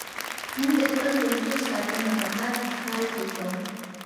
موږ د خپل کلتور ساتنه په هر حال کې کوو.